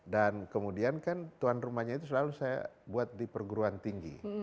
dan kemudian kan tuan rumahnya itu selalu saya buat di perguruan tinggi